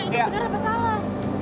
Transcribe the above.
itu benar apa salah